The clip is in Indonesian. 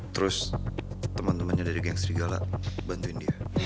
terus temen temennya dari geng serigala bantuin dia